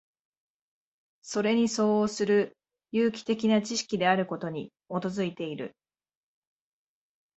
それに相応する有機的な知識であることに基いている。